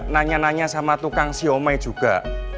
nanya nanya sama tukang si ome juga